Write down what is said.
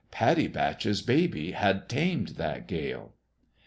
Pattie Batch's baby had tamed that gale